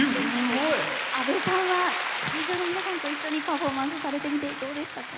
阿部さんは会場の皆さんと一緒にパフォーマンスされてみてどうでしたか？